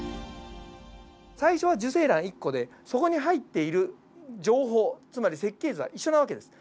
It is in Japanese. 最初は受精卵１個でそこに入っている情報つまり設計図は一緒な訳です。